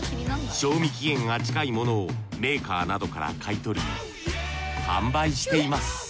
賞味期限が近いものをメーカーなどから買い取り販売しています